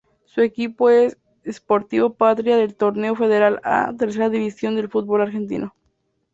Su equipo es Sportivo Patria del Torneo Federal A, tercera división del fútbol argentino.